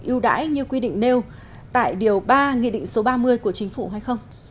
ưu đãi như quy định nêu tại điều ba nghị định số ba mươi của chính phủ hay không